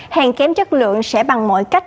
hàng kém chất lượng sẽ bằng mọi cách